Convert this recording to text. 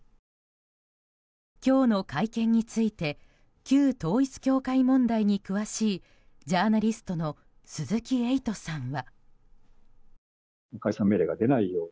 今日の会見について旧統一教会問題に詳しいジャーナリストの鈴木エイトさんは。